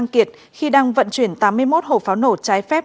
khi đang vận chuyển tám mươi một hồ pháo nổ trái phép